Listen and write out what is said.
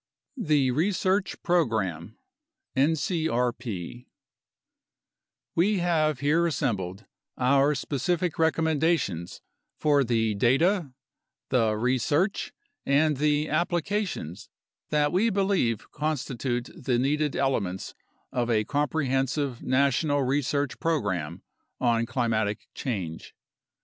THE RESEARCH PROGRAM (NCRP) We have here assembled our specific recommendations for the data, the research, and the applications that we believe constitute the needed elements of a comprehensive national research program on climatic change.